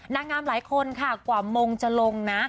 นางงามหลายคนค่ะกว่ามงจะลงนะ